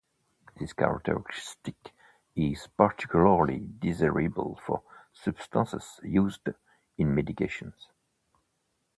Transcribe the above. This characteristic is particularly desirable for substances used in medications.